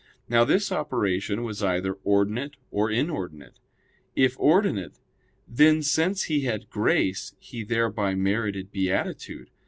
Now this operation was either ordinate or inordinate. If ordinate, then, since he had grace, he thereby merited beatitude.